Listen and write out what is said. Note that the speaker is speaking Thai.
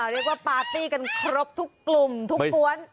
เรียกว่าปาร์ตี้กันครบทุกกลุ่มทุกปวน